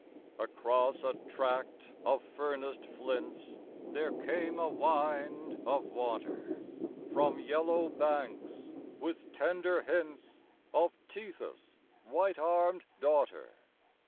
Across a tract of furnaced flints there came a wind of water, From yellow banks with tender hints of Tethys' white armed daughter.